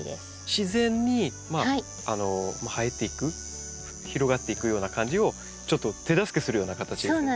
自然に生えていく広がっていくような感じをちょっと手助けするような形ですね。